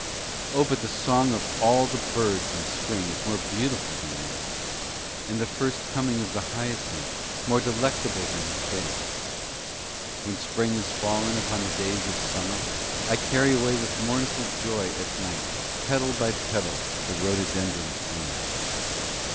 Oh but the song of all the birds in spring is more beautiful than Man, and the first coming of the hyacinth more delectable than his face! When spring is fallen upon the days of summer, I carry away with mournful joy at night petal by petal the rhododendron's bloom.